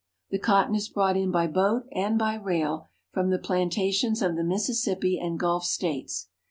The cotton is brought in by boat and by rail from the plantations of the Mississippi and Gulf states.